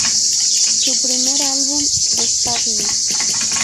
Su primer álbum “Espagne.